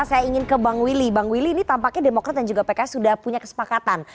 saya ingin ke bang willy bang willy ini tampaknya demokrat dan juga pks sudah punya kesepakatan